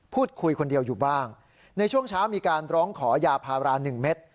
พูดคุยคนเดียวอยู่บ้างในช่วงเช้ามีการร้องขอยาพารา๑เม็ด